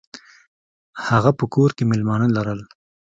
هغه په کور کې میلمانه لرل.